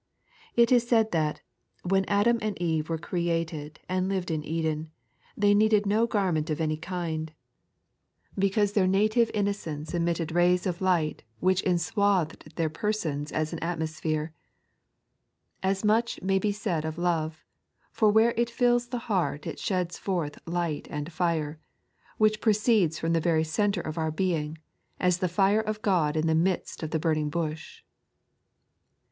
It is said that, when Adam and Eve were created and lived in Eden, they needed no garment of any kind, because their native 3.n.iized by Google 30 The Activb Side op the Blessed Life. iunoceitce emitted rays of light which enewathed their persons as aa atmosphere. As much may be said of iove, for where it fills the heart it sheds forth light and fire, which proceed from the very centre of our being, aa the fire of God in the midst of the burning bush.